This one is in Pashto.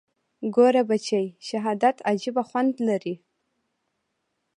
ګوره بچى شهادت عجيبه خوند لري.